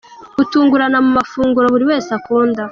Gutungurana mu mafunguro buri wese akunda.